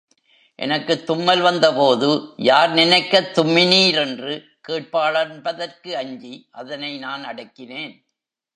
எனக்குத் தும்மல் வந்தபோது யார் நினைக்கத் தும்மினீரென்று கேட்பாளென்பதற்கு அஞ்சி அதனை நான் அடக்கினேன்.